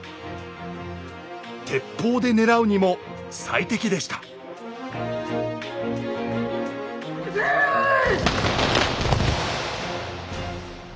鉄砲で狙うにも最適でした撃てい！